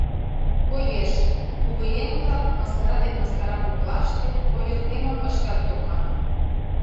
Коеш, кугыеҥ-влак мыскара ден мыскара коклаште ойыртемым ыштат докан.